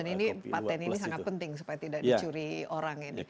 dan ini patent ini sangat penting supaya tidak dicuri orang yang intelektual